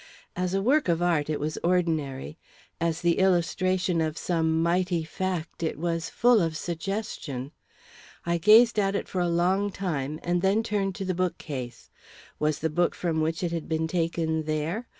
As a work of art, it was ordinary; as the illustration of some mighty fact, it was full of suggestion. I gazed at it for a long time, and then turned to the bookcase. Was the book from which it had been taken there?